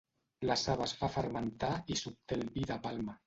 La saba es fa fermentar i s'obté el vi de palma.